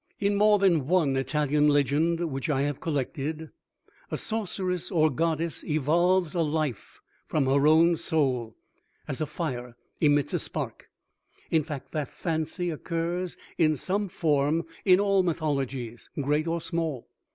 In more than one Italian legend which I have collected a sorceress or goddess evolves a life from her own soul, as a fire emits a spark. In fact, the fancy occurs in some form in all mythologies, great or small.